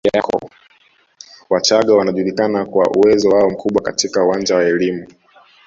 Wachaga wanajulikana kwa uwezo wao mkubwa katika uwanja wa elimu